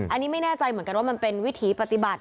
อันนี้ไม่แน่ใจเหมือนกันว่ามันเป็นวิถีปฏิบัติ